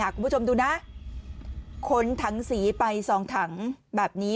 คุณผู้ชมดูนะขนถังสีไปสองถังแบบนี้